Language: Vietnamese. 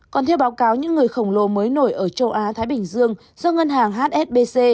còn theo báo cáo những người khổng lồ mới nổi ở châu á thái bình dương do ngân hàng hsbc